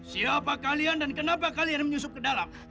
siapa kalian dan kenapa kalian menyusup ke dalam